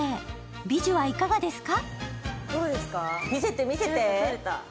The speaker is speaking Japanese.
ビジュはいかがですか？